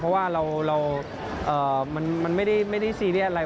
เพราะว่าเราเราเอ่อมันมันไม่ได้ไม่ได้ซีเรียสอะไร